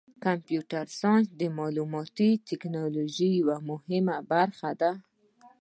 کمپیوټر ساینس د معلوماتي تکنالوژۍ یوه مهمه برخه ده.